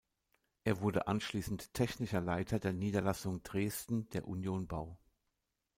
Er wurde anschließend Technischer Leiter der Niederlassung Dresden der Union-Bau.